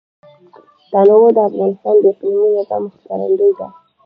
تنوع د افغانستان د اقلیمي نظام ښکارندوی ده.